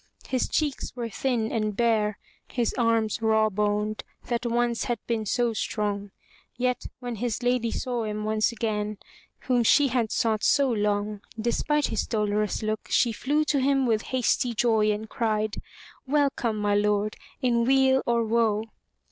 His cheeks were thin and bare, his arms rawboned, that once had been so strong. Yet when his lady saw him once again, whom she had sought so long, despite his dolorous look, she flew to him with hasty joy and cried: "Welcome, my lord, in weal or woe!''